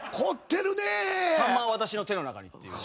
さんまは私の手の中にっていう。